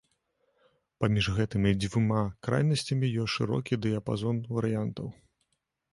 Паміж гэтымі дзвюма крайнасцямі ёсць шырокі дыяпазон варыянтаў.